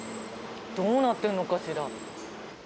どうなってるのかしら？